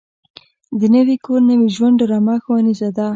د نوي کور نوي ژوند ډرامه ښوونیزه ده.